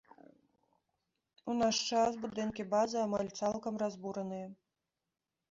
У наш час будынкі базы амаль цалкам разбураныя.